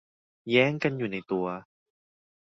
แย้งกันอยู่ในตัว